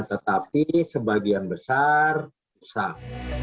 tetapi sebagian besar rusak